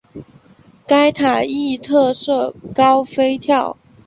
该塔亦特设高飞跳。